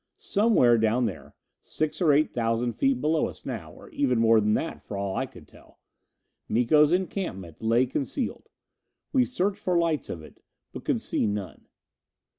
Somewhere down there six or eight thousand feet below us now, or even more than that, for all I could tell Miko's encampment lay concealed. We searched for lights of it, but could see none.